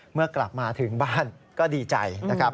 เมื่อกลับมาถึงบ้านก็ดีใจนะครับ